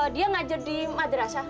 dia ngajar di madrasah